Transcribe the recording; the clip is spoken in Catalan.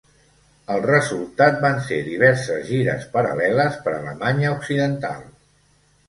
El resultat van ser diverses gires paral·leles per Alemanya Occidental.